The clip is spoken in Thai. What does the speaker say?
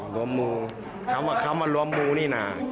รวมมูคำว่ารวมมูนี่น่ะ